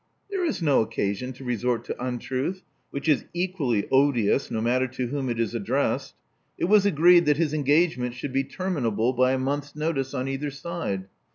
*' There is no occasion to resort to untruth, which is equally odious, no matter to whom it is addressed. It was agreed that his engagement should be terminable by a month's notice on either side.